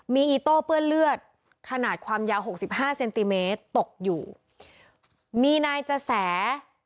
มีอีโต้เปื้อนเลือดขนาดความยาวหกสิบห้าเซนติเมตรตกอยู่มีนายจะแส